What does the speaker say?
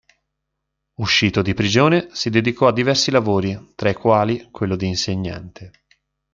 Uscito di prigione si dedicò a diversi lavori, tra i quali quello di insegnante.